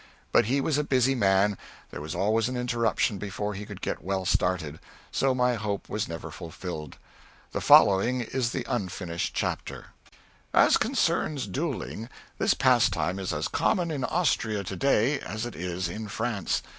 But he was a busy man; there was always an interruption before he could get well started; so my hope was never fulfilled. The following is the unfinished chapter: [Sidenote: (1898.)] As concerns duelling. This pastime is as common in Austria to day as it is in France.